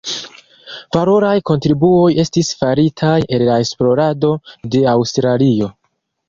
Valoraj kontribuoj estis faritaj al la esplorado de Aŭstralio.